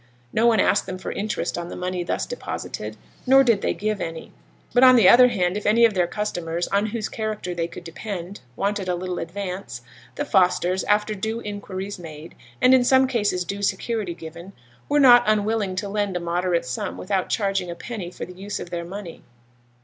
No one asked them for interest on the money thus deposited, nor did they give any; but, on the other hand, if any of their customers, on whose character they could depend, wanted a little advance, the Fosters, after due inquiries made, and in some cases due security given, were not unwilling to lend a moderate sum without charging a penny for the use of their money.